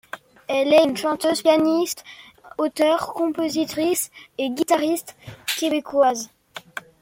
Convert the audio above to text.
Elle est une chanteuse, pianiste, auteure-compositrice et guitariste québécoise.